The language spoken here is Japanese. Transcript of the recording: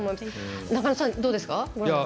中野さん、どうですか？